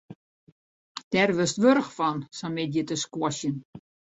Dêr wurdst warch fan, sa'n middei te squashen.